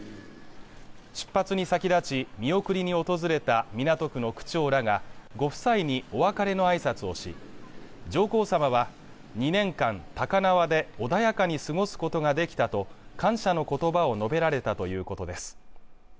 出発に先立ち、見送りに訪れた港区の区長らがご夫妻にお別れの挨拶をし上皇さまは２年間、高輪で穏やかに過ごすことができたと感謝の言葉を述べられたということです